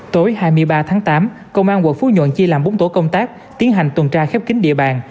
tối hai mươi ba tháng tám công an quận phú nhuận chia làm bốn tổ công tác tiến hành tuần tra khép kính địa bàn